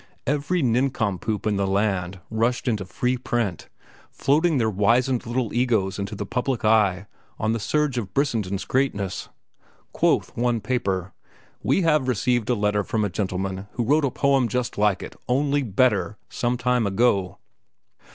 Every nincompoop in the land rushed into free print, floating their wizened little egos into the public eye on the surge of Brissenden's greatness. Quoth one paper: "We have received a letter from a gentleman who wrote a poem just like it, only better, some time ago."